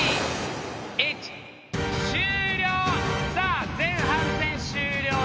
さあ前半戦終了です。